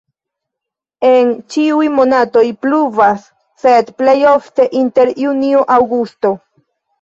En ĉiuj monatoj pluvas, sed plej ofte inter junio-aŭgusto.